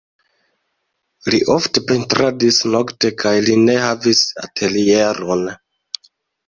Li ofte pentradis nokte kaj li ne havis atelieron.